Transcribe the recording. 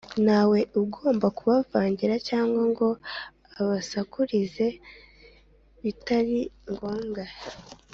Nta we ugomba kubavangira cyangwa ngo abasakurize bitari ngombwa